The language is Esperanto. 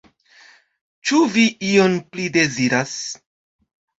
Ĉu vi ion pli deziras?